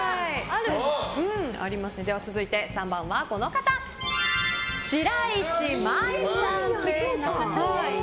続いて３番、白石麻衣さん。